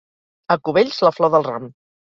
A Cubells, la flor del ram.